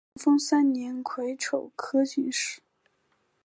咸丰三年癸丑科进士。